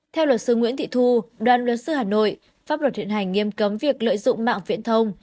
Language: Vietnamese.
theo luật sư nguyễn thị thu đoàn luật sư hà nội pháp luật hiện hành nghiêm cấm việc lợi dụng mạng viễn thông